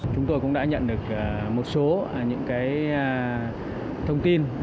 chúng tôi cũng đã nhận được một số những thông tin